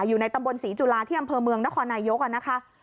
อยู่ในตำบลศรีจุฬาที่อำเภอเมืองนครนายกนะคะ